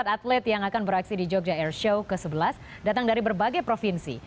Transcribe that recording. tiga ratus tujuh puluh empat atlet yang akan beraksi di jogja airshow ke sebelas datang dari berbagai provinsi